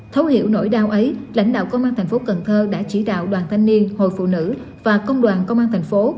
thấu hiểu nỗi đau ấy lãnh đạo công an thành phố cần thơ đã chỉ đạo đoàn thanh niên hội phụ nữ và công đoàn công an thành phố